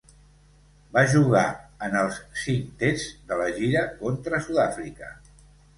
Va jugar en els cinc tests de la gira contra Sud-àfrica.